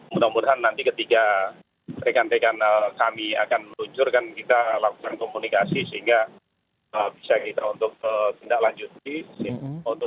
mudah mudahan nanti ketika rekan rekan kami akan meluncurkan kita lakukan komunikasi sehingga bisa kita untuk tindak lanjuti